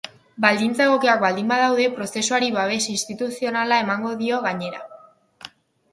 Baldintza egokiak baldin badaude, prozesuari babes instituzionala emango dio, gainera.